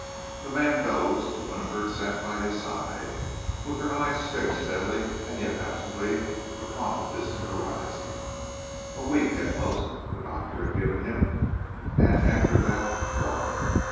The man dozed, and Winifred sat by his side, with her eyes fixed steadily and yet absently upon the distant horizon. A week, at most, the doctor had given him, and after that what?